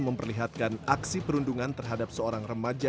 memperlihatkan aksi perundungan terhadap seorang remaja